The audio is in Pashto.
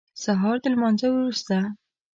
سهار د لمانځه وروسته.